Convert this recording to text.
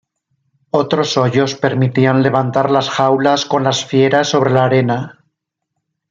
Otros hoyos permitían levantar las jaulas con las fieras sobre la arena.